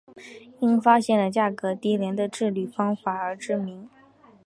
因发现了价格低廉的制铝方法而知名。